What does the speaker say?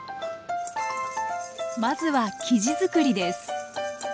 まずは生地づくりです。